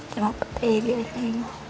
cuma petai biasanya